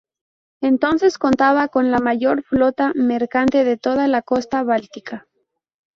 Entonces contaba con la mayor flota mercante de toda la costa báltica.